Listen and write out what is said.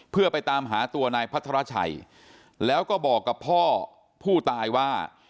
เพื่อไปตามหาตัวนายพัทรชัยแล้วก็บอกกับพ่อผู้ตายว่า